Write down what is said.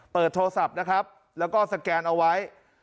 โทรศัพท์นะครับแล้วก็สแกนเอาไว้